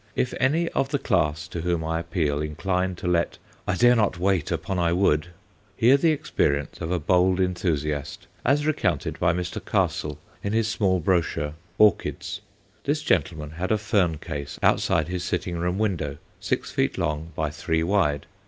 If any of the class to whom I appeal incline to let "I dare not wait upon I would," hear the experience of a bold enthusiast, as recounted by Mr. Castle in his small brochure, "Orchids." This gentleman had a fern case outside his sitting room window, six feet long by three wide.